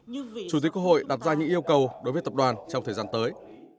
chủ nghĩa cơ hội đạt ra những yêu cầu đối với tập đoàn trong thời gian tới